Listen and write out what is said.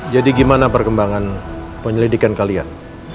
jadi gimana perkembangan penyelidikan kalian